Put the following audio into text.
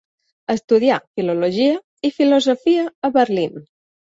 Estudià filologia i filosofia a Berlín.